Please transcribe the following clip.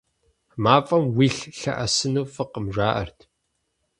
МафӀэм уилъ лъэӀэсыну фӀыкъым, жаӀэрт.